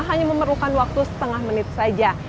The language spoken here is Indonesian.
hanya memerlukan waktu setengah menit saja